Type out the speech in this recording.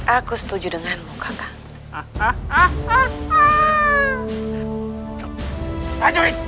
aku setuju denganmu kakak